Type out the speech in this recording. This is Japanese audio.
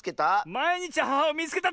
「まいにちアハハをみいつけた！」